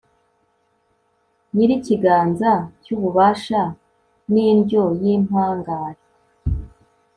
nyir'ikiganza cy'ububasha n'indyo y'impangare